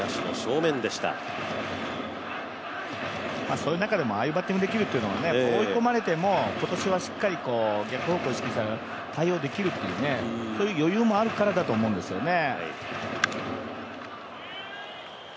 そういう中でもああいうバッティングできるってのは今年は追い込まれても逆方向でも対応できるっていう余裕もあるからだと思うんですよね。